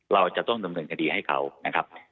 เราจะต้องดำเนินคดีให้เขานะครับ